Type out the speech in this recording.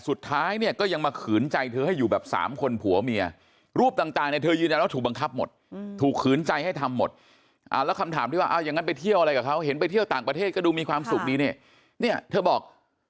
ถูกขืนใจให้ทำหมดแล้วคำถามที่ว่าอย่างนั้นไปเที่ยวอะไรกับเขาเห็นไปเที่ยวต่างประเทศก็ดูมีความสุขนี้เนี่ยเธอบอก